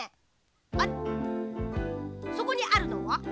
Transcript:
あっそこにあるのは？